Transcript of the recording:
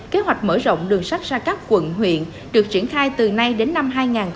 kế hoạch mở rộng đường sách ra các quận huyện được triển khai từ nay đến năm hai nghìn hai mươi năm